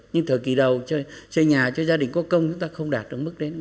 nhưng thời kỳ đầu xây nhà cho gia đình có công chúng ta không đạt được mức đến